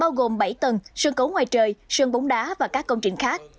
bao gồm bảy tầng sân cấu ngoài trời sơn bóng đá và các công trình khác